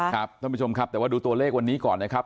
ท่านผู้ชมครับแต่ว่าดูตัวเลขวันนี้ก่อนนะครับ